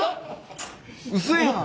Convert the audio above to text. うそやん！